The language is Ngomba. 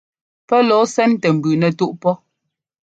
Pɛ́ lɔɔ ɛ́sɛ́ntɛ mbʉʉ nɛtúꞌ pɔ́.